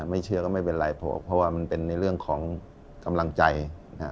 ไม่เชื่อก็ไม่เป็นไรเพราะว่ามันเป็นในเรื่องของกำลังใจนะฮะ